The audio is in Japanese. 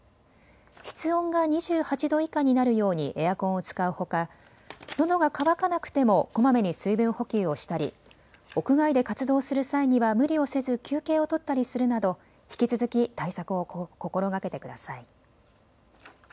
室温が２８度以下になるようにエアコンを使うほかのどが渇かなくてもこまめに水分補給をしたり屋外で活動する際には無理をせず休憩を取ったりするなど引き続き対策を心がけてください。